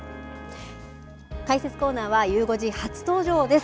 解説コーナーはゆう５時初登場です。